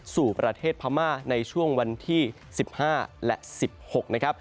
สู่ประเทศพม่าในช่วงวันที่๑๕และ๑๖นะครับ